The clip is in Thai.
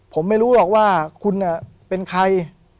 ผมไม่รู้หรอกว่าคุณเป็นใคร